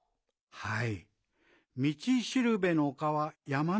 「はい。